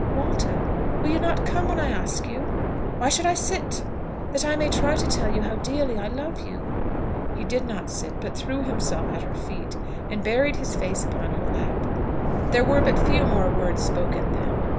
"Walter, will you not come when I ask you?" "Why should I sit?" "That I may try to tell you how dearly I love you." He did not sit, but he threw himself at her feet, and buried his face upon her lap. There were but few more words spoken then.